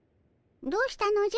どうしたのじゃ？